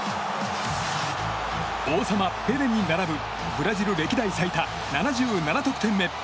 王様ペレに並ぶブラジル代表歴代最多７７得点目。